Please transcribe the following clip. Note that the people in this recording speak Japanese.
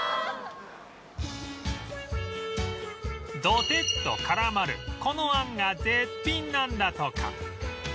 ドテッと絡まるこの餡が絶品なんだとか